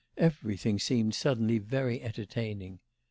Everything seemed suddenly very entertaining.